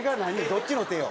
どっちの手よ。